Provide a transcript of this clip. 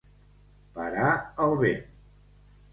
Parar el vent.